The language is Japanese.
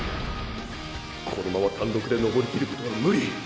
このまま単独で登りきることは無理。